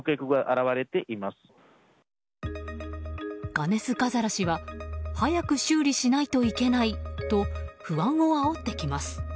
ガネスガザラ氏は早く修理しないといけないと不安をあおってきます。